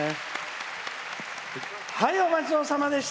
はい、おまちどおさまでした。